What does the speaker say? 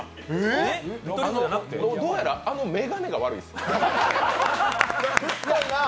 どうやら、あのめがねが悪いです。